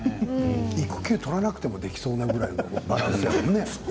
育休を取らなくてもできそうなバランスですものね。